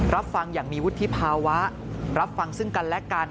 รับฟังอย่างมีวุฒิภาวะรับฟังซึ่งกันและกัน